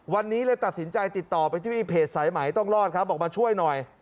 วันนี้เลยตัดสินใจติดต่อไปที่เพจสายไหมต้องรอดครับบอกมาช่วยหน่อย